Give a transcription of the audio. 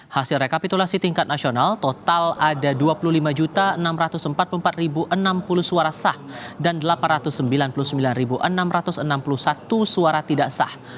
hasil rekapitulasi tingkat nasional total ada dua puluh lima enam ratus empat puluh empat enam puluh suara sah dan delapan ratus sembilan puluh sembilan enam ratus enam puluh satu suara tidak sah